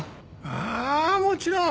ああもちろん。